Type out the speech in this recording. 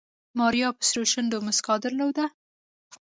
ماريا په سرو شونډو موسکا درلوده.